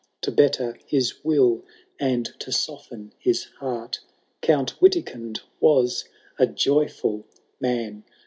To better his will, and to soften his heart : Count Witikind was a joyful man.